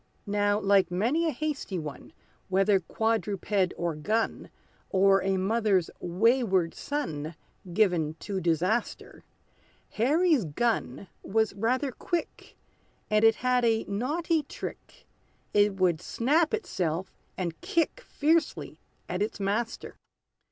Now, like many a hasty one, Whether quadruped or gun, Or a mother's wayward son Given to disaster, Harry's gun was rather quick; And it had a naughty trick, It would snap itself, and kick Fiercely at its master.